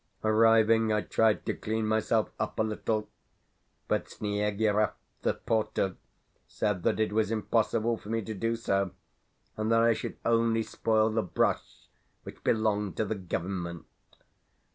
Arriving, I tried to clean myself up a little, but Sniegirev, the porter, said that it was impossible for me to do so, and that I should only spoil the brush, which belonged to the Government.